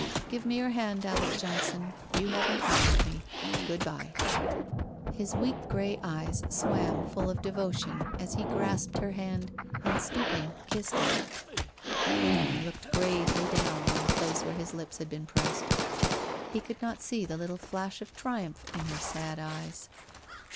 Give me your hand, Alec Johnson. You haven't harmed me. Good bye !' His weak grey eyes swam full of devotion as he grasped her hand, and stooping, kissed it. Amy looked gravely down at the place where his lips had been pressed. He could not see the little flash of triumph in her sad eyes.